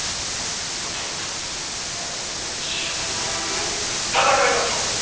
よし戦いましょう。